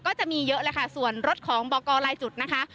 ก็จะมีเยอะเลยค่ะส่วนรถของบอกกรลายจุดนะคะ